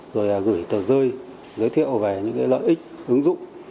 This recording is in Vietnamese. rồi gửi tờ rơi giới thiệu về những lợi ích ứng dụng